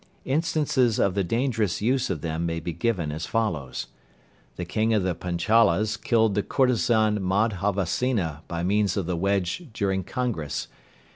Instances of the dangerous use of them may be given as follows. The King of the Panchalas killed the courtezan Madhavasena by means of the wedge during congress.